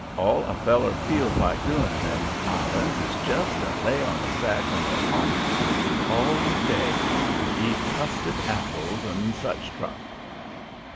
All a feller feels like doing in them islands is just to lay on his back under a palm tree all day and eat custard apples, and such truck.